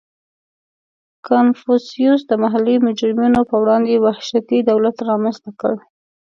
• کنفوسیوس د محلي مجرمینو په وړاندې وحشتي دولت رامنځته کړ.